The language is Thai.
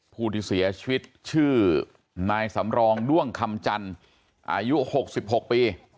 ผู้ที่เสียชีวิตชื่อนายสำรองด้วงคำจันทร์อายุ๖๖ปี